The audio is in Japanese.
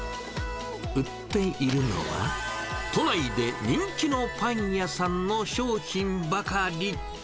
売っているのは、都内で人気のパン屋さんの商品ばかり。